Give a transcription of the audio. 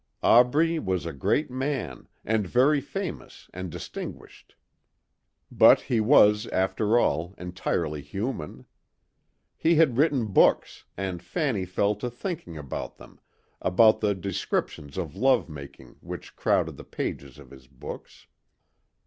Aubrey was a great man and very famous and distinguished. But he was after all entirely human. He had written books and Fanny fell to thinking about them, about the descriptions of love making which crowded the pages of his books.